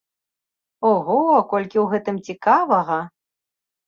Ого, колькі ў гэтым цікавага!